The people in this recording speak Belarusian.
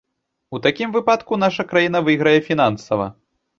У такім выпадку наша краіна выйграе фінансава.